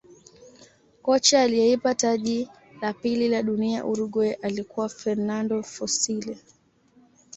kocha aliyeipa taji la pili la dunia Uruguay alikuwa fernando fussile